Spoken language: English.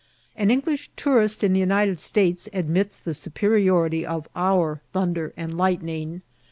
An English tourist in the United States admits the superiority of our thunder and lightning.